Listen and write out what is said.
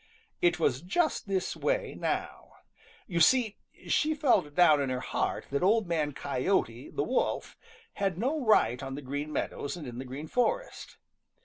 It was just this way now. You see she felt down in her heart that Old Man Coyote the Wolf had no right on the Green Meadows and in the Green Forest.